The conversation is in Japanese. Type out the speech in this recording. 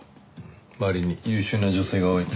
周りに優秀な女性が多いのでね。